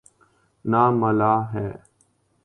نہ ملاح ہے۔